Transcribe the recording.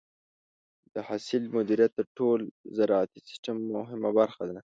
د حاصل مدیریت د ټول زراعتي سیستم مهمه برخه ده.